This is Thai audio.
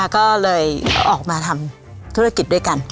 ก็เลยออกมาทำธุรกิจด้วยกัน